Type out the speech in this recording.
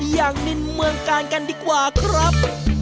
อย่างนินเมืองกาลกันดีกว่าครับ